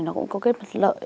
nó cũng có cái mặt lợi